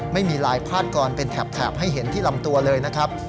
ไม่มีลายพาดกรอนเป็นแถบให้เห็นที่ลำตัวเลยนะครับ